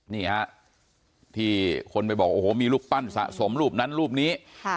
นี่ฮะที่คนไปบอกโอ้โหมีรูปปั้นสะสมรูปนั้นรูปนี้